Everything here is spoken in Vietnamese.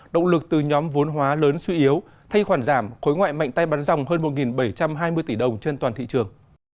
động lực từ nhóm vốn hóa lớn suy yếu thay khoản giảm khối ngoại mạnh tay bắn dòng hơn một bảy trăm hai mươi tỷ đồng trên toàn thị trường